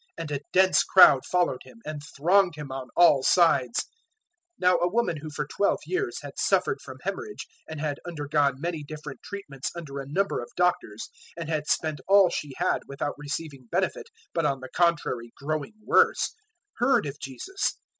And a dense crowd followed Him, and thronged Him on all sides. 005:025 Now a woman who for twelve years had suffered from haemorrhage, 005:026 and had undergone many different treatments under a number of doctors and had spent all she had without receiving benefit but on the contrary growing worse, 005:027 heard of Jesus.